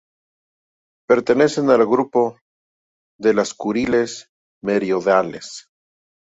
Pertenecen al grupo de las Kuriles meridionales.